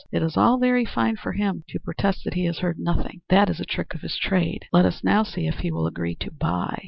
It is all very fine for him to protest that he has heard nothing. That is a trick of his trade. Let us see now if he will agree to buy.